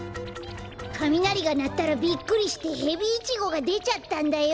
かみなりがなったらびっくりしてヘビイチゴがでちゃったんだよ。